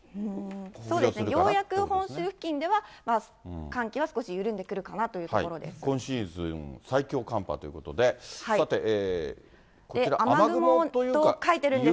ようやく本州付近では寒気は少し緩んでくるかなというところ今シーズン最強寒波ということで、さて、こちら、雨雲というか、雪？